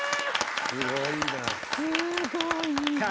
すごいな。